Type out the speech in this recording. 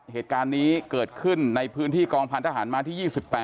เหตุการณ์นี้เกิดขึ้นในพื้นที่กองพันธหารมาที่๒๘